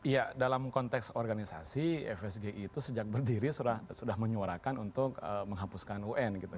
ya dalam konteks organisasi fsgi itu sejak berdiri sudah menyuarakan untuk menghapuskan un gitu